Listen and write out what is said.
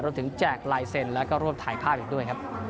ถึงแจกลายเซ็นต์แล้วก็ร่วมถ่ายภาพอีกด้วยครับ